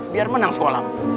biar menang sekolahmu